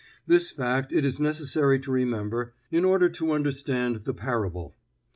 This fact it is necessary to remember in order to understand the parable.